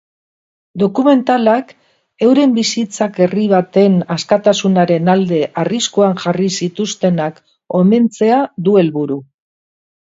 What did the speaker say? Dokumentalak euren bizitzak herri baten askatasunaren alde arriskuan jarri zituztenak omentzea du helburu.